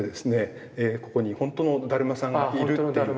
ここにほんとのだるまさんがいるっていう。